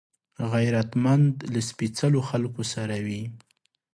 غیرتمند له سپېڅلو خلکو سره وي